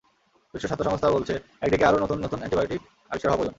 বিশ্ব স্বাস্থ্য সংস্থা বলছে, একদিকে আরও নতুন নতুন অ্যান্টিবায়োটিক আবিষ্কার হওয়া প্রয়োজন।